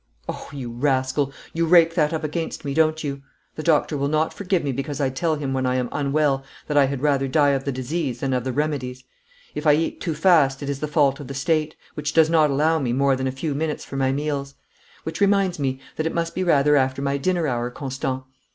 'Ohe, you rascal, you rake that up against me, do you? The Doctor will not forgive me because I tell him when I am unwell that I had rather die of the disease than of the remedies. If I eat too fast it is the fault of the State, which does not allow me more than a few minutes for my meals. Which reminds me that it must be rather after my dinner hour, Constant?'